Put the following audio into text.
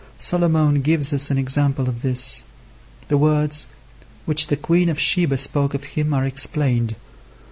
Solomon gives us an example of this. (The words which the queen of Sheba spoke of him are explained.)